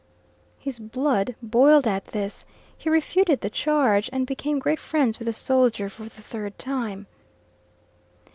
His blood boiled at this. He refuted the charge, and became great friends with the soldier, for the third time.